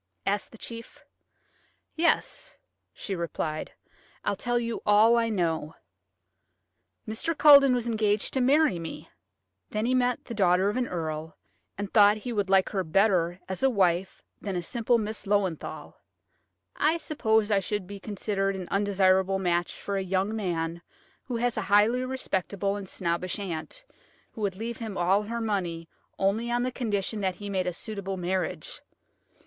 asked the chief. "Yes," she replied; "I'll tell you all I know. Mr. Culledon was engaged to marry me; then he met the daughter of an earl, and thought he would like her better as a wife than a simple Miss Löwenthal. I suppose I should be considered an undesirable match for a young man who has a highly respectable and snobbish aunt, who would leave him all her money only on the condition that he made a suitable marriage.